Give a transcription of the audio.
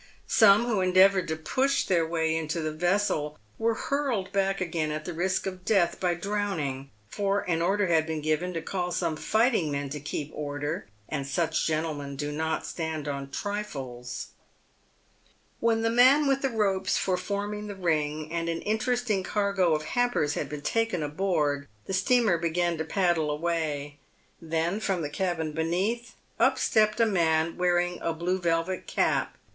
Some, who endeavoured to push their way into the vessel, were hurled back again at the risk of death by drowning, for an order had been given to call some fighting men to keep order, and such gentlemen do not stand on trifles. 186 PAYED WITH GOLD. When the man with the ropes for forming the ring and an in teresting cargo of hampers had been taken on board, the steamer began to paddle away. Then, from the cabin beneath, up stepped a man wearing a blue velvet cap.